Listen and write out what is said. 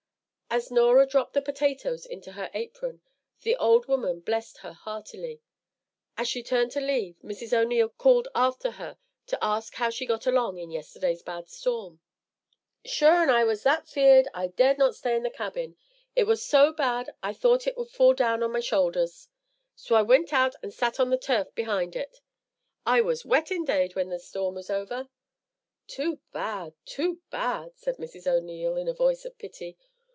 As Norah dropped the potatoes into her apron, the old woman blessed her heartily. As she turned to leave, Mrs. O'Neil called after her to ask how she got along in yesterday's bad storm. "Sure and I was that feared I dared not stay in the cabin. It was so bad I thought it would fall down on me shoulders. So I wint out and sat on the turf behind it. I was wet indade when the storm was over." "Too bad, too bad," said Mrs. O'Neil, in a voice of pity.